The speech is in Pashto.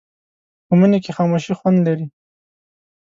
په مني کې خاموشي خوند لري